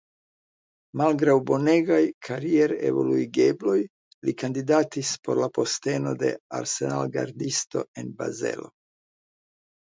Malgraŭ bonegaj karierevoluigebloj li kandidatis por la posteno de arsenalgardisto en Bazelo.